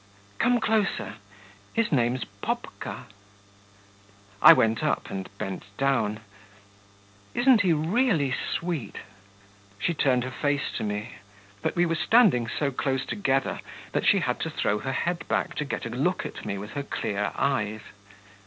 'Come closer. His name's Popka.' I went up, and bent down. 'Isn't he really sweet?' She turned her face to me; but we were standing so close together, that she had to throw her head back to get a look at me with her clear eyes.